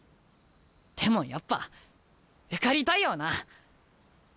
でもやっぱ受かりたいよなあ。